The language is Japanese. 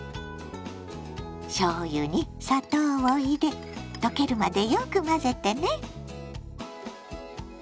しょうゆに砂糖を入れ溶けるまでよく混ぜてね。